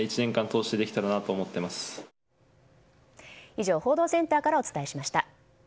以上、報道センターからお伝えしました。